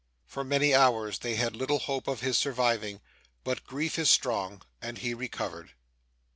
For many hours, they had little hope of his surviving; but grief is strong, and he recovered.